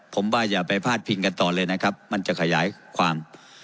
ผมว่าอย่าไปพาดพิงกันต่อเลยนะครับมันจะขยายความ